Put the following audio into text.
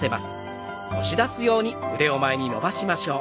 押し出すように前に伸ばしましょう。